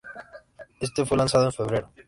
Este fue lanzado en febrero.